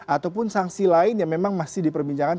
ataupun sanksi lain yang memang masih diperbincangkan